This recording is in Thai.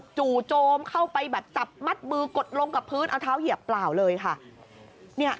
จู่โจมเข้าไปแบบจับมัดมือกดลงกับพื้นเอาเท้าเหยียบเปล่าเลยค่ะ